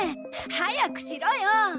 早くしろよ！